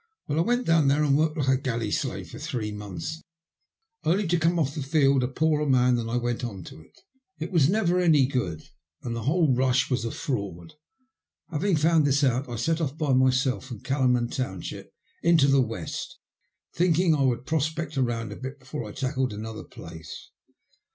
" Well, I went down there and worked like a galley slave for three monthS| only to come off the field a MY CHANCE IN LIFE. 19 poorer man than I went on to it. It was never any goodi and the whole rush was a fraud. Having found this out I set off by myself from Kalaman Township into the West, thinking I would prospect round a bit before I tackled another place.